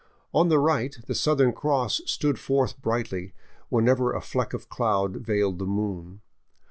On the right the Southern Cross stood forth brightly whenever a fleck of cloud veiled the moon.